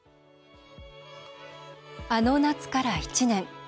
あの夏から１年。